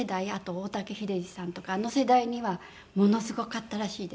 大滝秀治さんとかあの世代にはものすごかったらしいです。